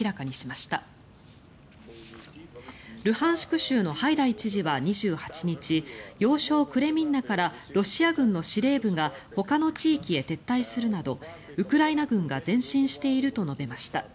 州のハイダイ知事は２８日要衝クレミンナからロシア軍の司令部がほかの地域へ撤退するなどウクライナ軍が前進していると述べました。